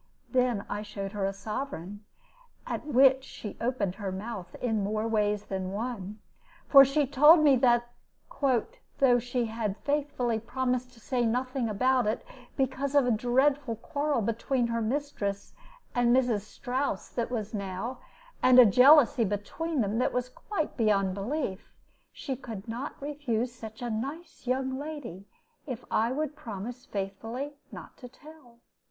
Then I showed her a sovereign, at which she opened her mouth in more ways than one, for she told me that "though she had faithfully promised to say nothing about it, because of a dreadful quarrel between her mistress and Mrs. Strouss that was now, and a jealousy between them that was quite beyond belief, she could not refuse such a nice young lady, if I would promise faithfully not to tell."